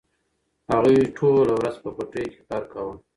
هغوی ټوله ورځ په پټیو کې کار کاوه.